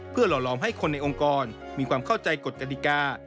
เพื่อหล่อล้อมให้คนในองค์กรมีความเข้าใจกฎกฎิกา